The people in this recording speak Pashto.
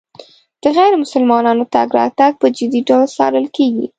د غیر مسلمانانو تګ راتګ په جدي ډول څارل کېږي.